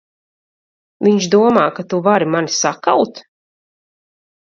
Viņš domā, ka tu vari mani sakaut?